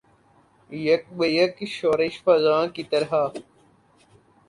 یک بیک شورش فغاں کی طرح